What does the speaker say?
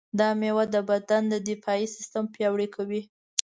دا مېوه د بدن دفاعي سیستم پیاوړی کوي.